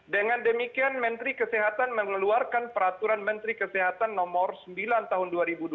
dengan demikian menteri kesehatan mengeluarkan peraturan menteri kesehatan nomor sembilan tahun dua ribu dua puluh